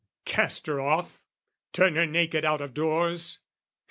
"Cast her off? Turn her naked out of doors?